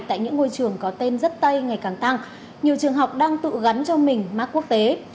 tại những ngôi trường có tên rất tây ngày càng tăng nhiều trường học đang tự gắn cho mình mác quốc tế